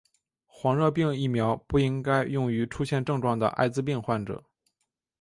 黄热病疫苗不应该用于出现症状的爱滋病患者。